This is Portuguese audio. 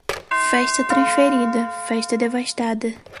Festa transferida, festa devastada.